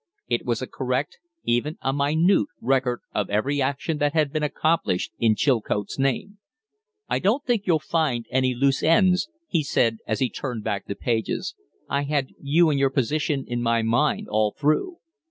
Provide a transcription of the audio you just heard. It was a correct, even a minute, record of every action that had been accomplished in Chilcote's name. "I don't think you'll find any loose ends," he said, as he turned back the pages. "I had you and your position in my mind all through."